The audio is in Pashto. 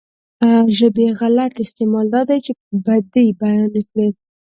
ژبې غلط استعمال دا دی چې بدۍ بيانې کړي.